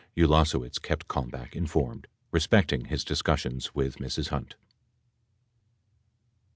Ulasewicz kept Kalmbach informed respecting his discussions with Mrs. Hunt.